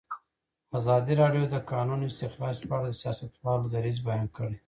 ازادي راډیو د د کانونو استخراج په اړه د سیاستوالو دریځ بیان کړی.